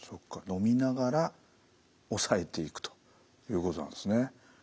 のみながら抑えていくということなんですね。